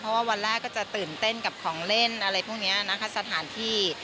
เพราะว่าวันแรกก็จะตื่นเต้นกับของเล่นอะไรพวกนี้นะคะสถานที่